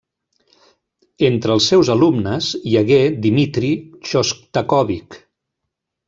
Entre els seus alumnes hi hagué Dmitri Xostakóvitx.